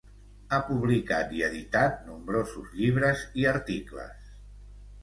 Ha publicat i editat nombrosos llibres i articles.